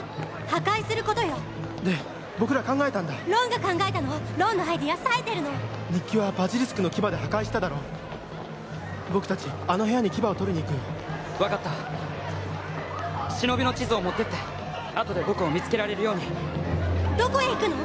破壊することよで僕ら考えたんだロンが考えたのロンのアイデアさえてるの日記はバジリスクの牙で破壊しただろ僕たちあの部屋に牙を取りに行くよ分かった忍びの地図を持ってってあとで僕を見つけられるようにどこへ行くの？